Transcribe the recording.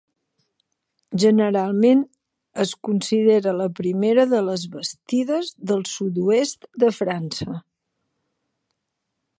Generalment es considera la primera de les bastides del sud-oest de França.